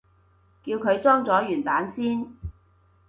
叫佢裝咗原版先